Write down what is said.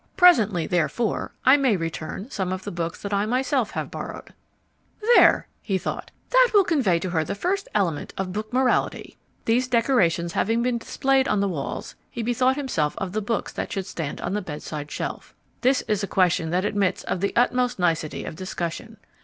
PRESENTLY, therefore, I may return some of the books that I myself have borrowed. "There!" he thought. "That will convey to her the first element of book morality." These decorations having been displayed on the walls, he bethought himself of the books that should stand on the bedside shelf. This is a question that admits of the utmost nicety of discussion.